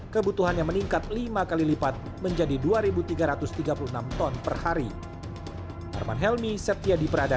kebutuhannya meningkat lima kali lipat menjadi dua tiga ratus tiga puluh enam ton per hari